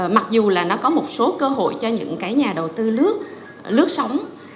mặc dù là nó có một số cơ hội cho những cái nhà đầu tư lướt sống